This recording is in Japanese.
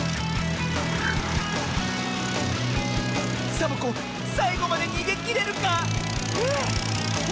サボ子さいごまでにげきれるか⁉あ！